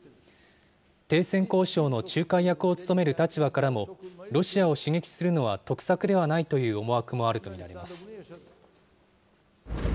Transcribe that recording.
停戦交渉の仲介役を務める立場からも、ロシアを刺激するのは得策ではないという思惑もあると見られます。